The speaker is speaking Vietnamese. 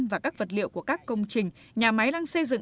và các vật liệu của các công trình nhà máy đang xây dựng